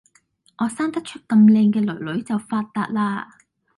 我生得出咁靚嘅囡囡就發達啦！